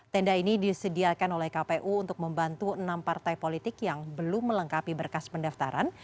tenda ini disediakan oleh kpu untuk membantu enam partai politik yang belum melengkapi berkas pendaftaran